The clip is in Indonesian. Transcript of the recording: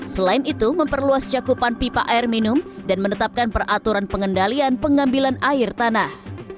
selain itu memperluas cakupan pipa air minum dan menetapkan peraturan pengendalian pengambilan air tanah